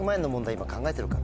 今考えてるから。